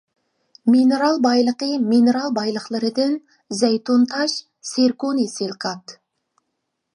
مىنېرال بايلىقى مىنېرال بايلىقلىرىدىن زەيتۇن تاش، سىركونىي سىلىكات.